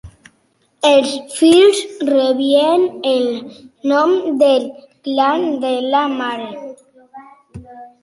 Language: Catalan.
Els fills rebien el nom del clan de la mare.